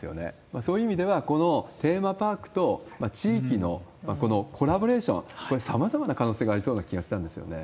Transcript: そういう意味では、このテーマパークと地域のこのコラボレーション、これ、さまざまな可能性がありそうな気がしたんですよね。